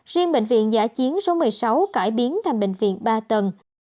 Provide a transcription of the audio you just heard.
riêng bệnh viện giả chiến số một mươi sáu cải biến thành bệnh viện ba tầng